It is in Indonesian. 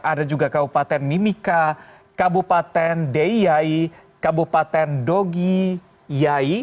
ada juga kabupaten mimika kabupaten deyai kabupaten dogi yai